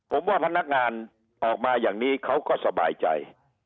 ผมว่าพนักงานออกมาอย่างนี้เขาก็สบายใจ